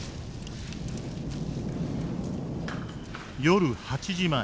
夜８時前。